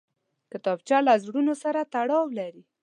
کتابچه له زړونو سره تړاو لري